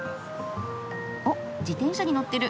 おっ自転車に乗ってる！